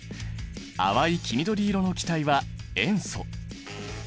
淡い黄緑色の気体は塩素。